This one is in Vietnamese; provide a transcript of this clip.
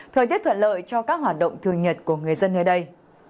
thời tiết thuận lợi cho các hoạt động thường nhật của người dân nơi đây